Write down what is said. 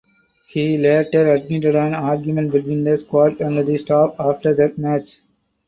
He later admitted an argument between the squad and the staff after that match.